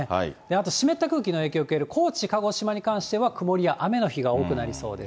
あと湿った空気の影響を受ける高知、鹿児島に関しては曇りや雨の日が多くなりそうです。